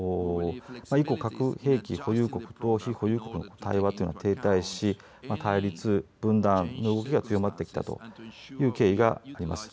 以降、核兵器保有国と非保有国の対話は停滞し、対立、分断の動きが強まってきたという経緯があります。